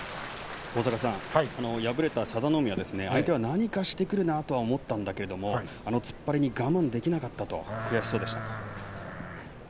敗れた佐田の海は相手は何かしてくると思ったんだけれど突っ張りに我慢ができなかったと悔しそうでした。